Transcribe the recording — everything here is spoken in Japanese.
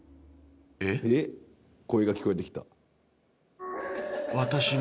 ええっ、声が聞こえてきた。